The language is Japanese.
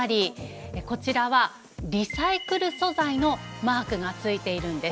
こちらはリサイクル素材のマークがついているんです。